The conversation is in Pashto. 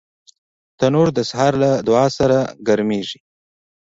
تنور د سهار له دعا سره ګرمېږي